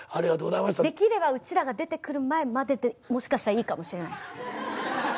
できればうちらが出てくる前まででもしかしたらいいかもしれないです。